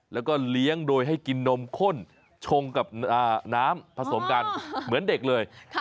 แล้วก็เลี้ยงโดยให้กินนมข้นชงกับน้ำผสมกันเหมือนเด็กเลย